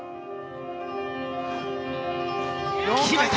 決めた！